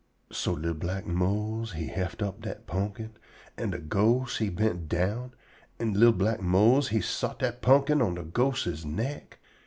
So li'l black Mose he heft up dat pumpkin, an' de ghost he bent down, an' li'l black Mose he sot dat pumpkin on dat ghostses neck.